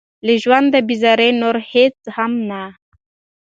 له ژونده بېزاري نور هېڅ هم نه.